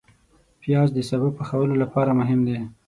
پیاز د سابه پخولو لپاره مهم دی